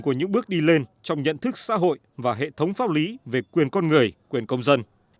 của những bước đi lên trong nhận thức xã hội và hệ thống pháp lý về quyền con người quyền công dân